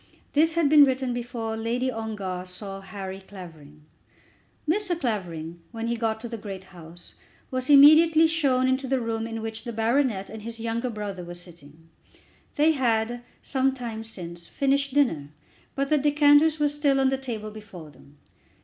This had been written before Lady Ongar saw Harry Clavering. Mr. Clavering, when he got to the great house, was immediately shown into the room in which the baronet and his younger brother were sitting. They had, some time since, finished dinner, but the decanters were still on the table before them.